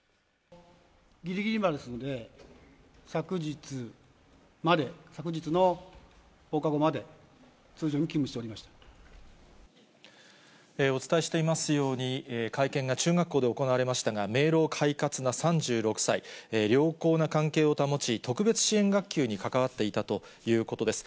ぎりぎりまでですので、昨日まで、昨日の放課後まで、お伝えしていますように、会見が中学校で行われましたが、明朗快活な３６歳、良好な関係を保ち、特別支援学級に関わっていたということです。